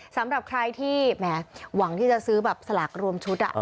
สำหรับใครที่แหมหวังที่จะซื้อแบบสลากรวมชุด